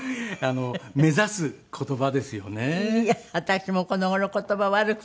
いいや私もこの頃言葉悪くてね。